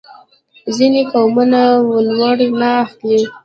ځینې قومونه ولور نه اخلي.